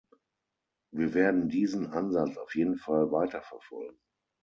Wir werden diesen Ansatz auf jeden Fall weiterverfolgen.